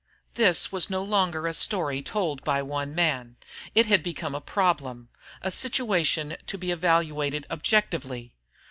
This was no longer a story told by one man; it had become a problem, a situation to be evaluated objectively.